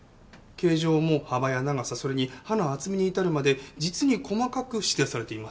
形状も幅や長さそれに刃の厚みに至るまで実に細かく指定されています。